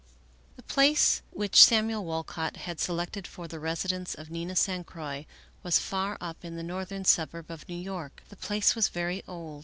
Ill The place which Samuel Walcott had selected for the residence of Nina San Croix was far up in the northern suburb of New York. The place was very old.